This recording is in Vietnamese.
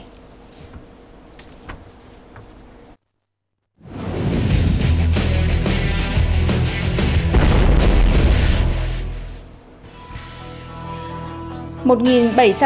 một bảy trăm một mươi tám tỷ đồng